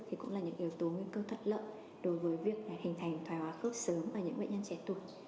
thì cũng là những yếu tố nguy cơ thuận lợi đối với việc hình thành thói hóa khớp sớm ở những bệnh nhân trẻ tuổi